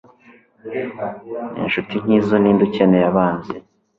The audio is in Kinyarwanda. Ninshuti nkizo ninde ukeneye abanzi